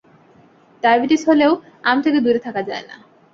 Diabetes হলেও আম থেকে দূরে থাকা যায় না।